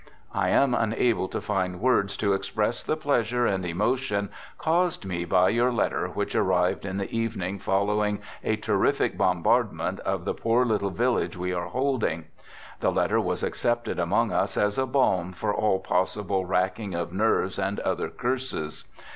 * I am unable to find words to express the pleasure f and emotion caused me by your letter which arrived 1 in the evening following a terrific bombardment of j the poor little village we are holding. The letter I was accepted among us as a balm for all possible ; racking of nerves and other curses.